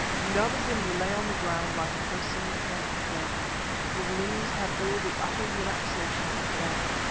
Indaba zimbi lay on the ground like a person quite dead. His limbs had all the utter relaxation of death.